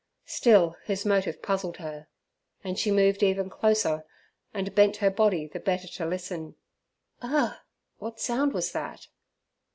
Still his motive puzzled her, and she moved even closer, and bent her body the better to listen. Ah! what sound was that?